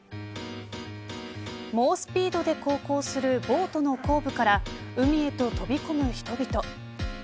猛スピードで航行するボートの後部から海へと飛び込む人々。